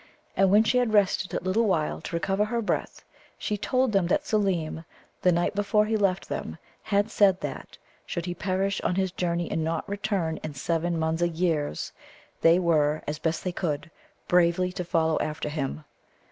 And when she had rested a little while to recover her breath, she told them that Seelem, the night before he left them, had said that, should he perish on his journey and not return, in seven Munza years they were, as best they could, bravely to follow after him.